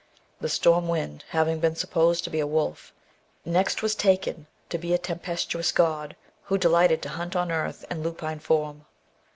The storm wind having been supposed to be a wolf, next was taken to be a tempestuous god, who delighted to hunt on earth in lupine form.